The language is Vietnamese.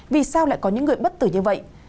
vì sao lại có những người bất tử như vậy